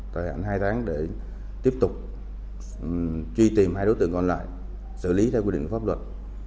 tại hạn hai tháng để tiếp tục truy tìm hai đối tượng còn lại xử lý theo quy định của pháp luật